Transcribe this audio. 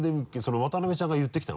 渡邊ちゃんが言ってきたの？